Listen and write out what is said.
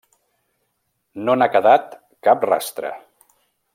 No n'ha quedat cap rastre.